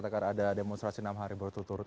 anda katakan ada demonstrasi enam hari berturut turut